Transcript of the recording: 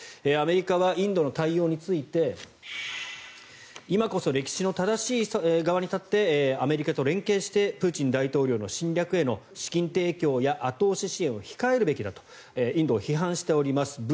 アメリカはインドの対応について今こそ歴史の正しい側に立ってアメリカと連携してプーチン大統領の侵略への資金提供や後押し支援を控えるべきだとインドを批判しています。